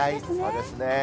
そうですね。